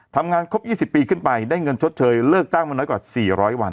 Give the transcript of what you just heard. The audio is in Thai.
ทำงานครบ๒๐ปีขึ้นไปได้เงินชดเชยเลิกจ้างมาน้อยกว่า๔๐๐วัน